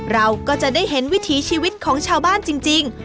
เราก็จะได้เห็นวิถีชีวิตของชาวบ้านจริง